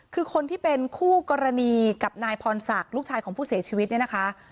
คือคนที่เป็นคู่กรณีกับนายพรศักดิ์ลูกชายของผู้เสียชีวิตเนี่ยนะคะ